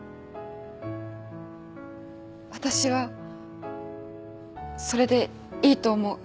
私はそれでいいと思う。